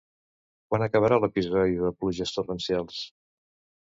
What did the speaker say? Quan acabarà l'episodi de pluges torrencials?